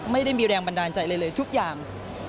ไม่ได้มีแรงบันดาลใจอะไรเลยทุกอย่าง